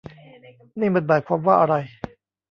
นี่มันหมายความว่าอะไร